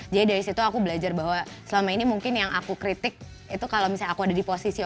jadi dari situ aku belajar bahwa selama ini mungkin yang aku kritik itu kalau misalnya aku ada di posisi ojk